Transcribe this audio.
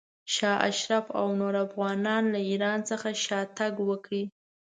شاه اشرف او نورو افغانانو له ایران څخه شاته تګ وکړ.